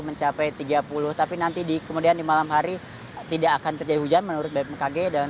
mencapai tiga puluh tapi nanti di kemudian di malam hari tidak akan terjadi hujan menurut bmkg dan